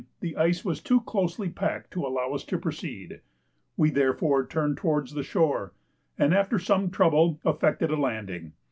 the ice was too closely packed to allow us to proceed; we therefore turned towards the shore, and after some trouble effected a landing.